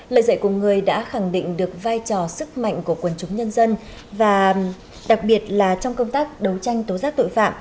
lời dạy của người đã khẳng định được vai trò sức mạnh của quần chúng nhân dân và đặc biệt là trong công tác đấu tranh tố giác tội phạm